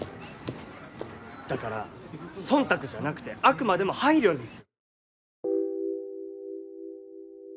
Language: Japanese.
だからそんたくじゃなくてあくまでも配慮です。